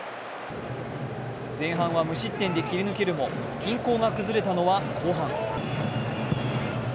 前半は無失点で切り抜けるも、均衡が崩れたのは後半。